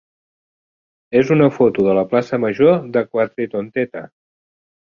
és una foto de la plaça major de Quatretondeta.